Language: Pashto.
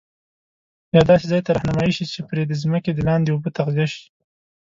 یا داسي ځاي ته رهنمایی شي چي پري د ځمکي دلاندي اوبه تغذیه شي